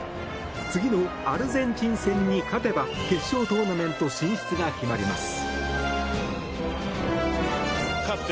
次のアルゼンチン戦に勝てば決勝トーナメント進出が決まります。